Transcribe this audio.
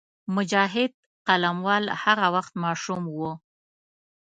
مجاهد قلموال هغه وخت ماشوم وو.